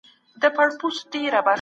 ځينې خلګ په دښتو کي ژوند کوي.